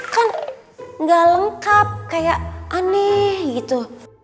kan nggak lengkap kayak aneh gitu